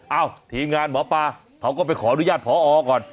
ทีมงานหมอปลาเขาก็ไปขออนุญาตพอก่อน